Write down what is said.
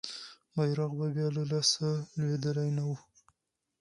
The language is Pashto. بیرغ به بیا له لاسه لوېدلی نه وو.